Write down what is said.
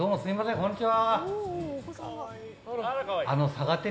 こんにちは。